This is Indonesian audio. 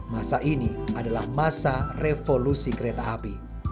masa ini adalah masa revolusi kereta api